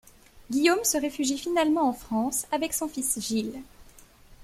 Guillaume se réfugie finalement en France avec son fils Gilles.